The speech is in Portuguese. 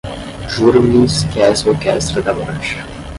Juro-lhes que essa orquestra da morte